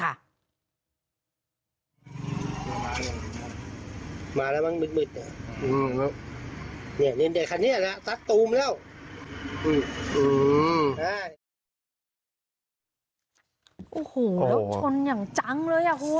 โอ้โหแล้วชนอย่างจังเลยอ่ะคุณ